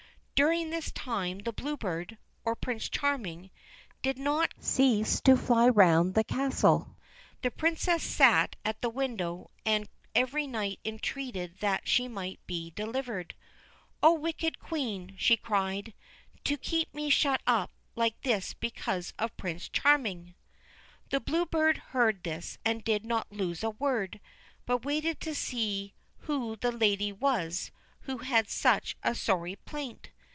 During this time the Blue Bird, or Prince Charming, did not cease to fly round the castle. The Princess sat at the window and every night entreated that she might be delivered. ' O wicked Queen !' she cried, ' to keep me shut up like this because of Prince Charming 1 ' The Blue Bird heard this and did not lose a word, but waited to see who the lady was who had such a sorry plaint.